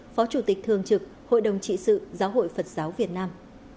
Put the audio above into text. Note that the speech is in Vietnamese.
phó chủ tịch thường trực hội đồng trị sự giáo hội phật giáo việt nam